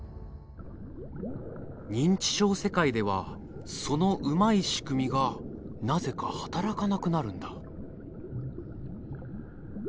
認知症世界ではそのうまい仕組みがなぜか働かなくなるんだ。